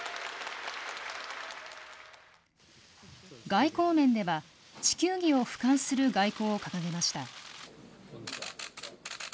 外交面では、地球儀をふかんする外交を掲げました。